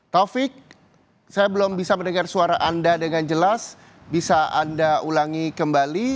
taufik saya belum bisa mendengar suara anda dengan jelas bisa anda ulangi kembali